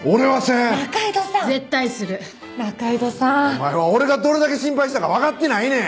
お前は俺がどれだけ心配したかわかってないねん！